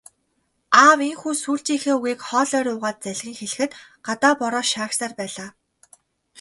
Аав ийнхүү сүүлчийнхээ үгийг хоолой руугаа залгин хэлэхэд гадаа бороо шаагьсаар байлаа.